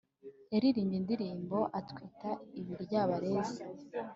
Yaririmbye indirimbo atwita ibiryabarezi